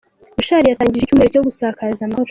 Bushali yatangije icyumweru cyo gusakaza amahoro